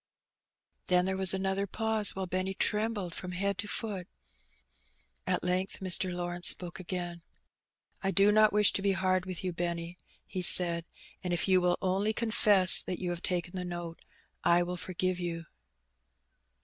Then there was another pause, while Benny trembled from head to foot. At length Mr. Lawrence spoke again. "I do not wish to be hard with you, Benny," he said; "and if you will only confess that you have taken the note, I will forgive you."